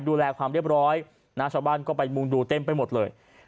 ดูแลความเรียบร้อยนะชาวบ้านก็ไปมุงดูเต็มไปหมดเลย